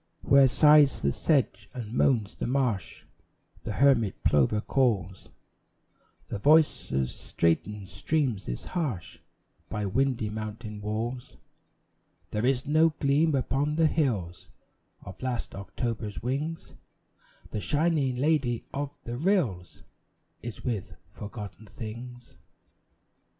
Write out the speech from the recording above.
Where sighs the sedge and moans the marsh, The hermit plover calls; The voice of straitened streams is harsh By windy mountain walls; There is no gleam upon the hills Of last October's wings; The shining lady of the rills Is with forgotten things.